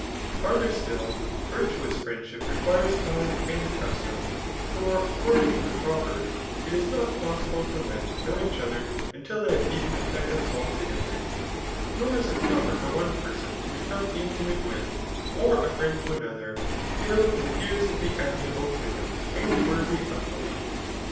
Farther sdll, virtuous friendship requires time and custom; for ac cording to the proverb, it is not possible for men to know each other till they have eaten a peck of salt toge ther. Nor is it proper for one person to become inti Digitized by Google CHAP. IT. 2TH1C8. 895 mate ^Radi» or a fnend to aiustfaer, till he a{^>esirs to be amiable to him, and worthy of belief.